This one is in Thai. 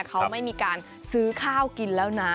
เขาไม่มีการซื้อข้าวกินแล้วนะ